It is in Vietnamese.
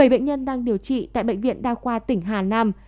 bảy bệnh nhân đang điều trị tại bệnh viện đa khoa tỉnh hà nam